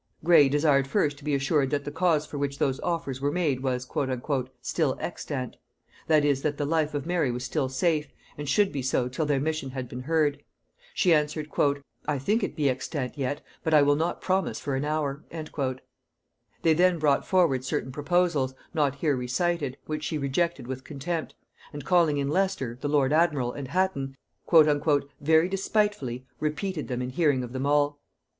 Gray desired first to be assured that the cause for which those offers were made was "still extant;" that is, that the life of Mary was still safe, and should be so till their mission had been heard. She answered, "I think it be extant yet, but I will not promise for an hour." They then brought forward certain proposals, not here recited, which she rejected with contempt; and calling in Leicester, the lord admiral, and Hatton, "very despitefully" repeated them in hearing of them all.